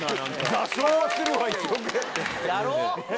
座礁はするわ１億円。